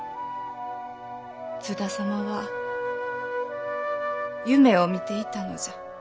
津田様は夢を見ていたのじゃ。